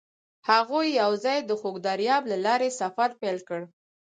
هغوی یوځای د خوږ دریاب له لارې سفر پیل کړ.